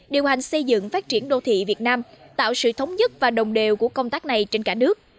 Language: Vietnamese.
điều hành xây dựng phát triển đô thị việt nam tạo sự thống nhất và đồng đều của công tác này trên cả nước